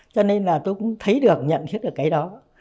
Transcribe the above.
cho nên là tôi cũng thấy được nhận thức được cái đó